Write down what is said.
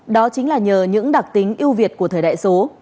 đó chính là nhờ những đặc tính yêu việt của thời đại số